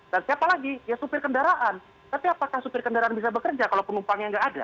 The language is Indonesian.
dan siapa lagi ya supir kendaraan tapi apakah supir kendaraan bisa bekerja kalau pengumpangnya nggak ada